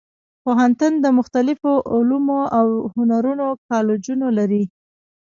پوهنتون د مختلفو علومو او هنرونو کالجونه لري.